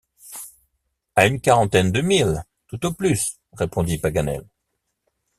À une quarantaine de milles tout au plus, répondit Paganel.